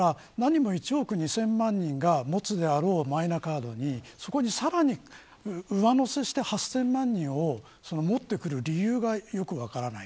だから何も、１億２０００万人が持つであろうマイナカードにさらに上乗せして８０００万人を持ってくる理由が分からない。